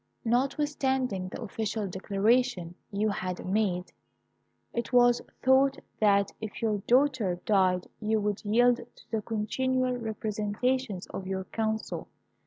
"Notwithstanding the official declaration you had made, it was thought that if your daughter died you would yield to the continual representations of your council.